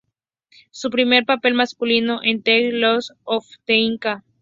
Su primer papel masculino en "The Last of the Inca".